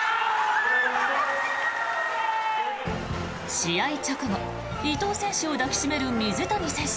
試合直後伊藤選手を抱き締める水谷選手。